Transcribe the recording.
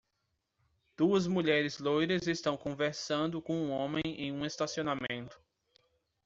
Duas mulheres loiras estão conversando com um homem em um estacionamento.